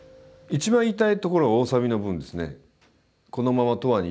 一番言いたいところは大サビの部分ですね。